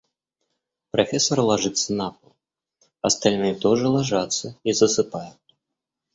Профессор ложится на пол, остальные тоже ложатся и засыпают.